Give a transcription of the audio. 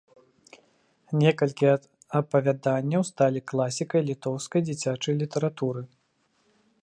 Некалькі апавяданняў сталі класікай літоўскай дзіцячай літаратуры.